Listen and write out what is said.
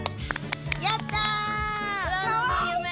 やった！